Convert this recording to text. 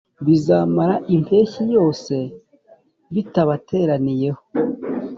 bizamara impeshyi yose bibateraniyeho